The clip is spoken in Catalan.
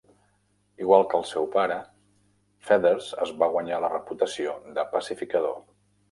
Igual que el seu pare, Feathers es va guanyar la reputació de pacificador.